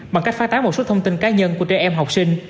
bằng cách phá táo một số thông tin cá nhân của trẻ em học sinh